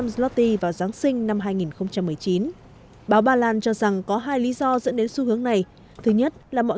zloty vào giáng sinh năm hai nghìn một mươi chín báo ba lan cho rằng có hai lý do dẫn đến xu hướng này thứ nhất là mọi